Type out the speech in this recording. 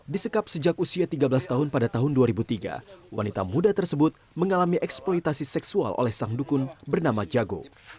disekap sejak usia tiga belas tahun pada tahun dua ribu tiga wanita muda tersebut mengalami eksploitasi seksual oleh sang dukun bernama jago